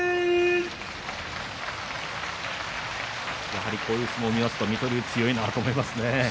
やはりこういう相撲を見ると水戸龍、強いなと思いますね。